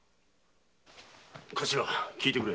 頭聞いてくれ。